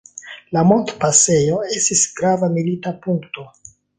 La montpasejo estis grava milita punkto.